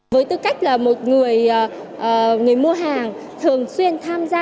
với tư cách là một người mua hàng